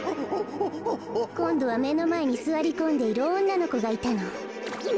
こんどはめのまえにすわりこんでいるおんなのこがいたの。